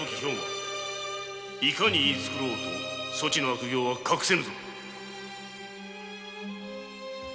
いかに言いつくろおうとそちの悪業は隠せぬぞ。